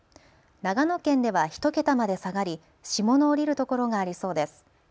長野県では１桁まで下がり霜の降りる所がありそうです。